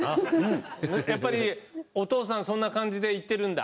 やっぱりお父さんそんな感じで言ってるんだ？